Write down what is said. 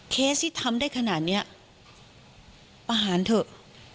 เคสที่ทำได้ขนาดนี้ประหารเถอะ